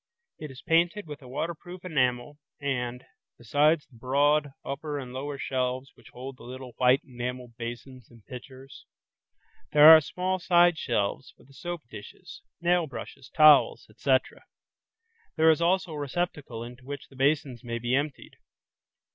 This is painted with a waterproof enamel and, besides the broad, upper and lower shelves which hold the little white enameled basins and pitchers, there are small side shelves for the soap dishes, nail brushes, towels, etc. There is also a receptacle into which the basins may be emptied.